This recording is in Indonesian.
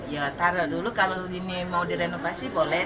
ya taruh dulu kalau ini mau direnovasi boleh